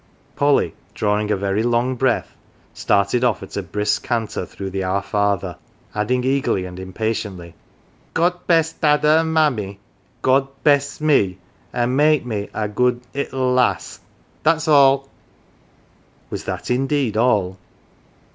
Polly, drawing a very long breath, started off at a brisk canter through the " Our Father," adding eagerly and impatiently " God b'ess dada and mammie God b'ess me an" make me a good 'ittle lass dat's all." Was that indeed all